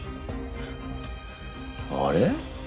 あれ？